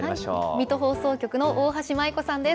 水戸放送局の大橋舞子さんです。